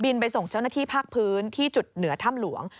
ไปส่งเจ้าหน้าที่ภาคพื้นที่จุดเหนือถ้ำหลวง